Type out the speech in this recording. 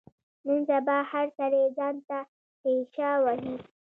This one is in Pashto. نن سبا هر سړی ځان ته تېشه وهي.